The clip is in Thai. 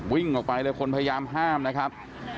วิ่งออกไปเลยคนพยายามห้ามนะครับ